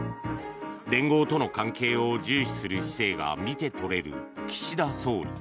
連合との関係を重視する姿勢が見て取れる岸田総理。